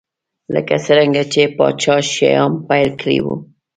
لکه څرنګه چې پاچا شیام پیل کړی و.